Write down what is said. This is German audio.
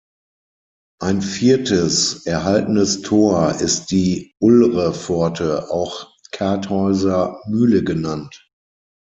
Ein viertes erhaltenes Tor ist die Ulrepforte, auch Karthäuser Mühle genannt.